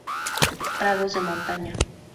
Prados de montaña.